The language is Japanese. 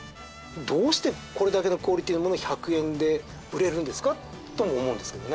どうしてこれだけのクオリティーのものを１００円で売れるんですか？とも思うんですけどね。